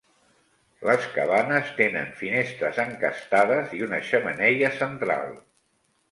Les cabanes tenen finestres encastades i una xemeneia central.